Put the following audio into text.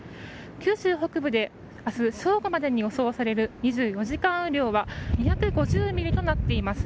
九州北部で明日、正午までに予想される２４時間雨量は２５０ミリとなっています。